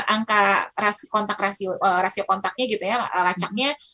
angka rasio kontaknya gitu ya lacaknya